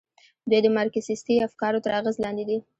دوی د مارکسیستي افکارو تر اغېز لاندې دي.